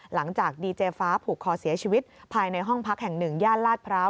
หลังจากดีเจฟ้าผูกคอเสียชีวิตภายในห้องพักแห่งหนึ่งย่านลาดพร้าว